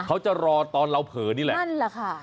เขาจะรอตอนเราเผลอนี่แหละนั่นแหละค่ะ